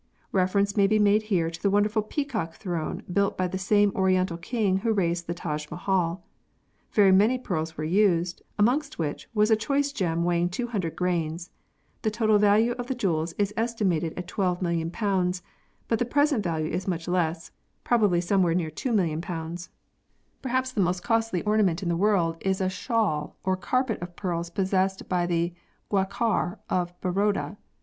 Reference may be made here to the wonderful Peacock Throne built by the same oriental king who raised the Taj Mahal. Very many pearls were used, amongst which was a choice gem weighing 200 grains. The total value of the jewels was estimated at 12,000,000, but the present value is much less, probably somewhere near 2,000,000. Perhaps the most costly ornament in 122 PEARLS [CH. the world is a shawl or carpet of pearls possessed by the Gaikwar of Baroda.